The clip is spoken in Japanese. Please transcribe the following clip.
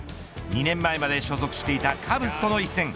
２年前まで所属していたカブスとの一戦。